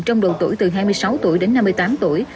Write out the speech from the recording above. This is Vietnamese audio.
trong độ tuổi từ hai mươi sáu tuổi đến năm mươi tám tuổi